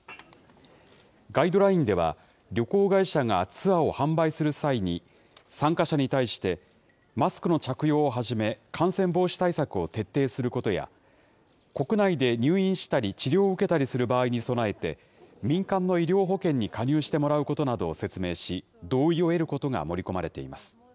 ガイドラインでは、旅行会社がツアーを販売する際に、参加者に対して、マスクの着用をはじめ、感染防止対策を徹底することや、国内で入院したり、治療を受けたりする場合に備えて、民間の医療保険に加入してもらうことなどを説明し、同意を得ることが盛り込まれています。